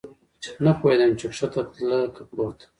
نه پوهېدم چې کښته تله که پورته.